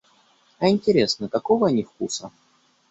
А интересно, какого они вкуса?